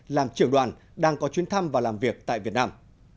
làm trưởng đoàn đang có chuyến thăm và làm việc tại việt nam